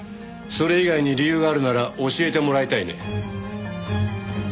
それ以外に理由があるなら教えてもらいたいね。